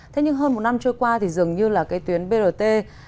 thế nhưng hơn một năm trôi qua thì dường như là cái tuyến brt